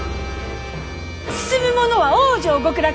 進む者は往生極楽！